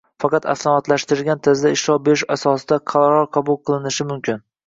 faqat avtomatlashtirilgan tarzda ishlov berish asosida qaror qabul qilinishi mumkin: